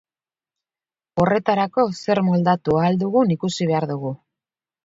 Horretarako, zer moldatu ahal dugun ikusi behar dugu.